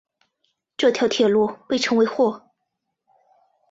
这条铁路被称为或。